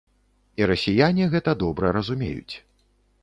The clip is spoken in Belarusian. І расіяне гэта добра разумеюць.